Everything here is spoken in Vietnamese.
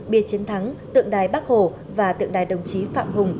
biệt chiến thắng tượng đài bác hồ và tượng đài đồng chí phạm hùng